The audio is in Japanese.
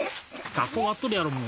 学校終わっとるやろもう。